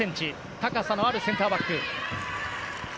高さのあるセンターバック。